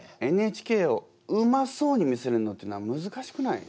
「ＮＨＫ」をうまそうに見せるのってのはむずかしくない？